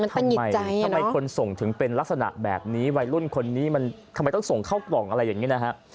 ทำไมทำไมคนส่งถึงเป็นลักษณะแบบนี้วัยรุ่นคนนี้มันทำไมต้องส่งเข้ากล่องอะไรอย่างนี้นะฮะ